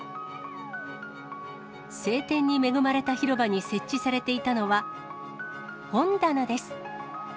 晴天に恵まれた広場に設置されていたのは、本棚です。